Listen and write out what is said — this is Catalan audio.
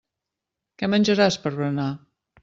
Què menjaràs per berenar.